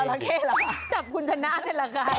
นี่ก็จะไปพิษนุโลกจริงเลยเนี่ย